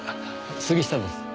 杉下です。